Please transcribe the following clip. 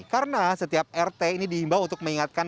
karena setiap rt ini diimbau untuk mengingatkan